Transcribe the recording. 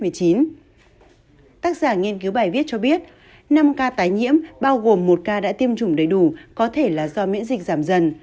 tác giả nghiên cứu bài viết cho biết năm ca tái nhiễm bao gồm một ca đã tiêm chủng đầy đủ có thể là do miễn dịch giảm dần